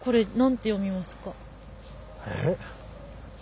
えっ？